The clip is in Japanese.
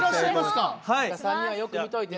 じゃ３人はよく見といてね。